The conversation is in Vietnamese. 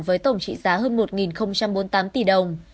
với tổng trị giá hơn một bốn mươi tám tỷ đồng